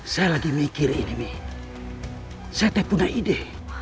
saya lagi mikir ini saya tak punya ide